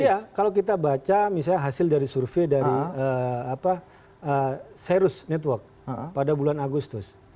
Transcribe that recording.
iya kalau kita baca misalnya hasil dari survei dari serus network pada bulan agustus